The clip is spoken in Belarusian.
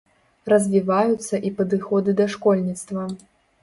Развіваюцца і падыходы да школьніцтва.